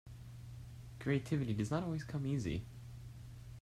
Creativity does not always come easy.